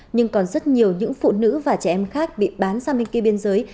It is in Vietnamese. nhưng còn rất nhiều những phụ nữ và trẻ em khác bị bán sang bên kia biên giới